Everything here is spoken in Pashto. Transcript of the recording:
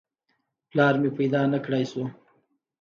پلار مې پیدا نه کړای شو.